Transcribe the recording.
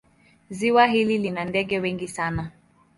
Ziwa hili lina ndege wengi sana.